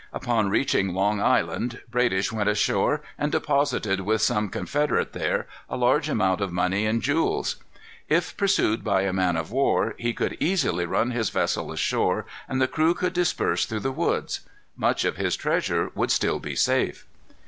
Upon reaching Long Island, Bradish went ashore and deposited with some confederate there a large amount of money and jewels. If pursued by a man of war, he could easily run his vessel ashore, and the crew could disperse through the woods. Much of his treasure would still be safe.